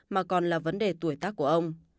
mà còn là vấn đề tuổi tác của ông